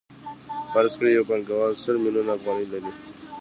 فرض کړئ یو پانګوال سل میلیونه افغانۍ لري